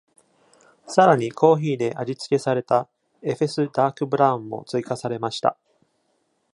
さらに、コーヒーで味付けされた、エフェス・ダークブラウンも追加されました。